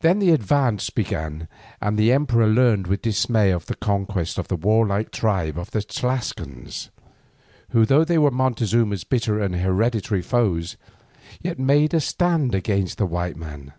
Then the advance began and the emperor learned with dismay of the conquest of the warlike tribe of the Tlascalans, who, though they were Montezuma's bitter and hereditary foes, yet made a stand against the white man.